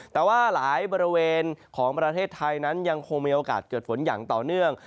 แต่ว่าหลายบริเวณของประเทศไทยนั้นยังคงมีโอกาสเกิดฝนอย่างต่อเนื่อง